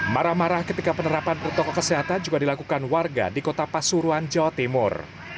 marah marah ketika penerapan protokol kesehatan juga dilakukan warga di kota pasuruan jawa timur